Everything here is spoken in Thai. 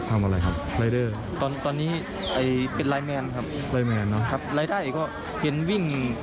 ทำอะไรครับรายเดอร์ตอนตอนนี้เป็นไลน์แมนครับลายแมนเนอะครับรายได้ก็เห็นวิ่ง